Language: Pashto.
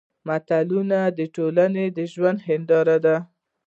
متلونه د ټولنې د ژوند هېنداره ده